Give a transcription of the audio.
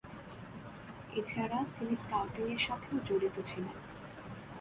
এছাড়া তিনি স্কাউটিং এর সাথেও জড়িত ছিলেন।